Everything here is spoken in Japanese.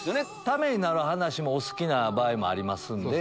ためになる話もお好きな場合もありますので。